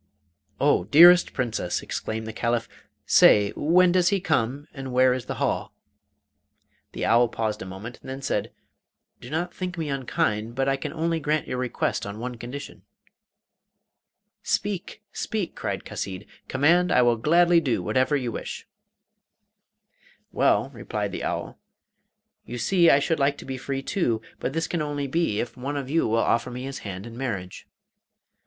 'Oh, dearest Princess!' exclaimed the Caliph, 'say, when does he come, and where is the hall?' The owl paused a moment and then said: 'Do not think me unkind, but I can only grant your request on one condition.' 'Speak, speak!' cried Chasid; 'command, I will gladly do whatever you wish!' 'Well,' replied the owl, 'you see I should like to be free too; but this can only be if one of you will offer me his hand in marriage.